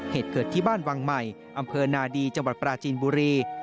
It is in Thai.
เหตุเกิดที่บ้านวังใหม่อำเภอนาดีจังหวัดปราจีนบุรี